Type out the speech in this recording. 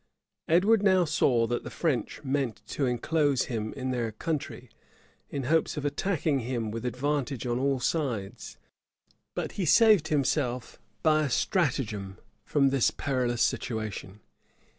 Edward now saw that the French meant to enclose him in their country, in hopes of attacking him with advantage on all sides: but he saved himself by a stratagem from this perilous situation.